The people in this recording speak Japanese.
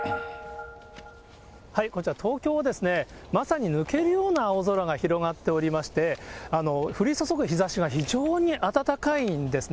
こちら、東京、まさに抜けるような青空が広がっておりまして、降り注ぐ日ざしが非常に暖かいんですね。